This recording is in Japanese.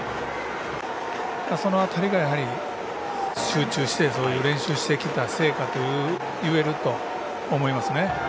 その辺りが、集中して練習してきた成果といえると思います。